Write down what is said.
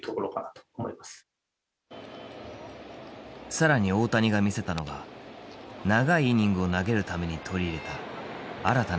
更に大谷が見せたのが長いイニングを投げるために取り入れた新たな球種。